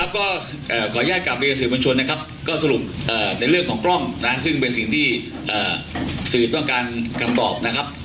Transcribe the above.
ขออนุญาตกลับไปกับสื่อบัญชนในเรื่องของกล้องซึ่งเป็นสิ่งที่สื่อต้องการคำตอบ